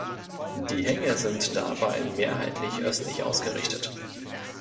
Die Hänge sind dabei mehrheitlich östlich ausgerichtet.